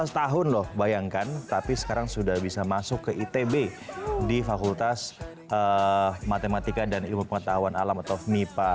lima belas tahun loh bayangkan tapi sekarang sudah bisa masuk ke itb di fakultas matematika dan ilmu pengetahuan alam atau mipa